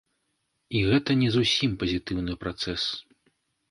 І гэта не зусім пазітыўны працэс.